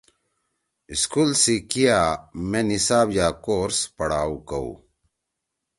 سکول سی کیا مے نصاب یا کورس پرھاؤ کؤ ۔